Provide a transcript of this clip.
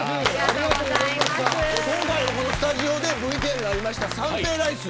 今回はスタジオでＶＴＲにありました三平ライス